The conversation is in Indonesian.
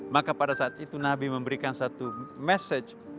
maka pada saat itu nabi memberikan satu message